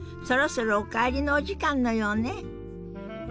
そろそろお帰りのお時間のようね。